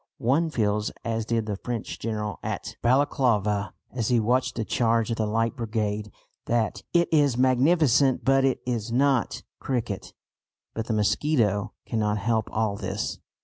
One feels as did the French general at Balaclava, as he watched the charge of the Light Brigade, that "it is magnificent but it is not 'cricket.'" But the mosquito cannot help all this.